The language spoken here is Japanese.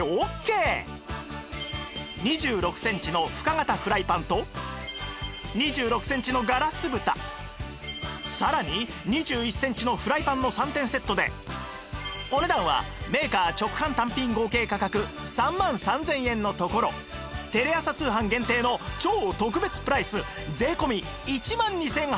２６センチの深型フライパンと２６センチのガラス蓋さらに２１センチのフライパンの３点セットでお値段はメーカー直販単品合計価格３万３０００円のところテレ朝通販限定の超特別プライス税込１万２８００円